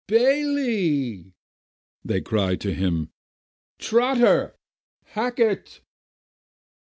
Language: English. "Bayley!" They cried to him. "Trotter! Hackett!"